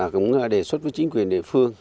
cũng đề xuất với chính quyền địa phương